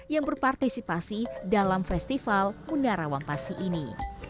yang berpartisipasi dalam festival munarawang pasi ini